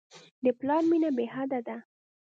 د پلار مینه بېحده ده.